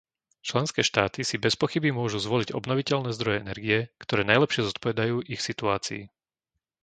Členské štáty si bezpochyby môžu zvoliť obnoviteľné zdroje energie, ktoré najlepšie zodpovedajú ich situácii.